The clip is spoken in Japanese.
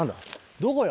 どこよ？